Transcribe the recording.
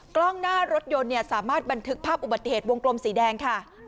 กล้องหน้ารถยนต์สามารถบันทึกภาพอุบัติเหตุวงกลมสีแดงค่ะ